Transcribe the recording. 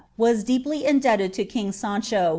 was deeply indebted to kin^ Sancho.